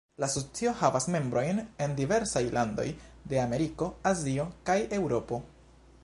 La asocio havas membrojn en diversaj landoj de Ameriko, Azio kaj Eŭropo.